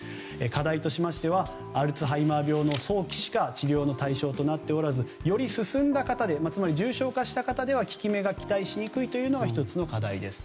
課題としましてはアルツハイマー病の早期しか治療の対象となっておらずより進んだ方でつまり重症化した方では効き目が期待しにくいというのが課題です。